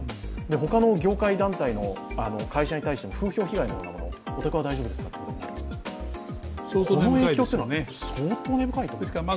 他の業界団体の会社に対しても風評被害のようなもの、お宅は大丈夫ですかという、この被害というのは相当根深いですよね。